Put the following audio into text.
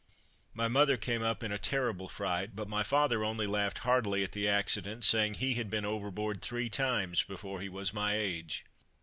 My mother came up in a terrible fright, but my father only laughed heartily at the accident, saying he had been overboard three times before he was my age.